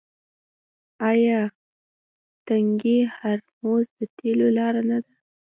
آیا تنګی هرمز د تیلو لاره نه ده؟